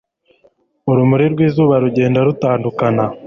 urumuri rw'izuba rugenda rutandukana